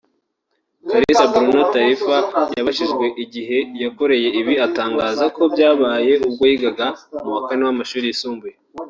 Kalisa Bruno Taifa yabajijwe igihe yakoreye ibi atangaza ko byabaye ubwo yigaga mu wa kane w’amashuri yisumbuye